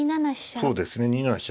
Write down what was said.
そうですね２七飛車。